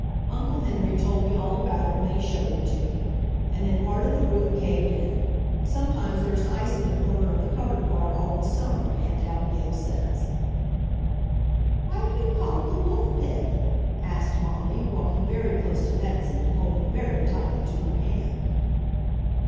Uncle Henry told me all about it when he showed it to me ... and then part of the roof caved in; sometimes there's ice in the corner of the covered part all the summer, Aunt Abigail says." "Why do you call it the Wolf Pit?" asked Molly, walking very close to Betsy and holding very tightly to her hand.